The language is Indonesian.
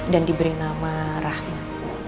dan diberi nama rahmat